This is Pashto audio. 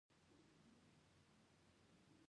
رسوب د افغان ماشومانو د لوبو یوه جالبه موضوع ده.